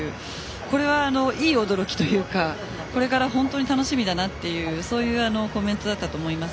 これはいい驚きというかこれから楽しみだなというそういうコメントだったと思います。